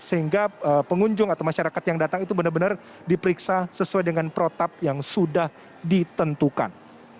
sehingga pengunjung atau masyarakat yang datang itu benar benar diperiksa sesuai dengan protap yang sudah ditentukan